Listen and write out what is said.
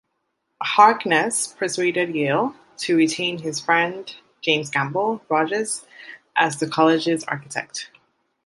Harkness persuaded Yale to retain his friend James Gamble Rogers as the colleges' architect.